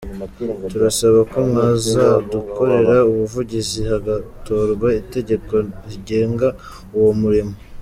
Turasaba ko mwazadukorera ubuvugizi hagatorwa itegeko rigenga uwo murimo.